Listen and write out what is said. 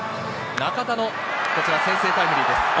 中田の先制タイムリーです。